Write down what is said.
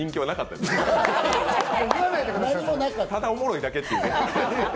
ただおもろいだけっていう。